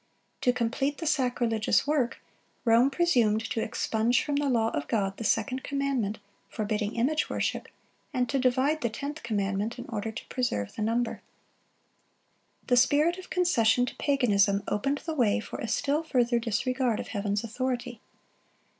To complete the sacrilegious work, Rome presumed to expunge from the law of God the second commandment, forbidding image worship, and to divide the tenth commandment, in order to preserve the number. The spirit of concession to paganism opened the way for a still further disregard of Heaven's authority.